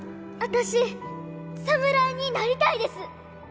私侍になりたいです！